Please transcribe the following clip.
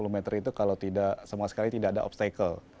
sepuluh meter itu kalau tidak sama sekali tidak ada obstacle